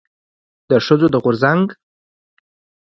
د ښځو د غورځنګ